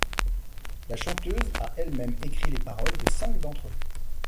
La chanteuse a elle-même écrit les paroles de cinq d'entre eux.